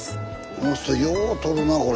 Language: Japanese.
この人よう取るなこれ。